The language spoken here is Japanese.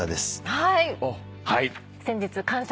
はい。